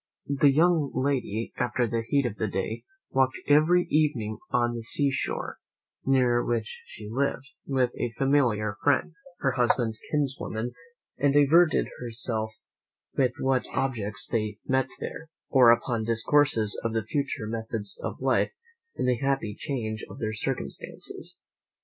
The young lady, after the heat of the day, walked every evening on the sea shore, near which she lived, with a familiar friend, her husband's kinswoman, and diverted herself with what objects they met there, or upon discourses of the future methods of life, in the happy change of their circumstances.